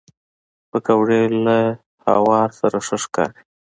پکورې له هوار سره ښه ښکاري